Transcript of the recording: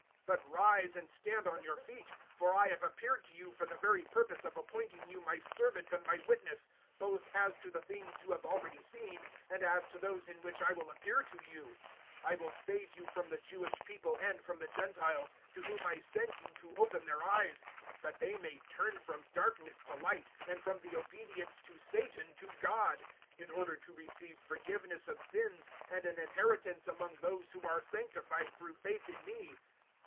026:016 `But rise, and stand on your feet; for I have appeared to you for the very purpose of appointing you My servant and My witness both as to the things you have already seen and as to those in which I will appear to you. 026:017 I will save you from the Jewish people and from the Gentiles, to whom I send you to open their eyes, 026:018 that they may turn from darkness to light and from the obedience to Satan to God, in order to receive forgiveness of sins and an inheritance among those who are sanctified through faith in Me.'